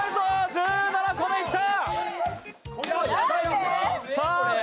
１７個目いった！